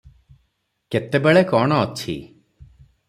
କେତେବେଳେ କଣ ଅଛି